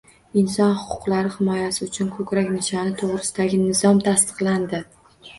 Inson huquqlari himoyasi uchun ko‘krak nishoni to‘g‘risidagi nizom tasdiqlandi